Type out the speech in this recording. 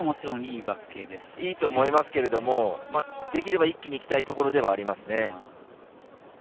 いいと思いますができれば一気にいきたいところではあります。